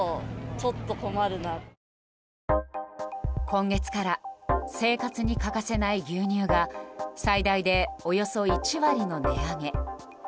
今月から生活に欠かせない牛乳が最大でおよそ１割の値上げ。